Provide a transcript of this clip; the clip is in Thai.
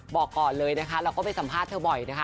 บอกก่อนเลยนะคะเราก็ไปสัมภาษณ์เธอบ่อยนะคะ